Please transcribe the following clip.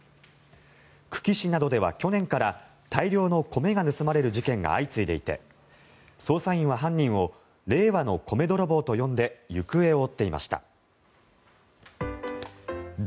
久喜市などでは去年から大量の米が盗まれる事件が相次いでいて捜査員は犯人を令和の米泥棒と呼んで行方を追っていました。